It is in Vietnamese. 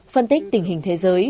phân tích tình hình thế giới